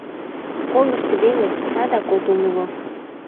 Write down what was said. — Колышт веле, садак от умыло!